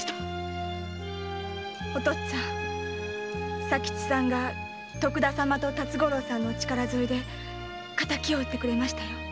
お父っつぁん佐吉っつぁんが徳田様と辰五郎様のお力添えで仇を討ってくれましたよ。